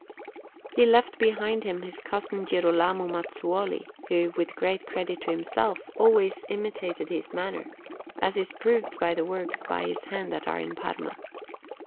He left behind him his cousin Girolamo Mazzuoli, who, with great credit to himself, always imitated his manner, as is proved by the works by his hand that are in Parma.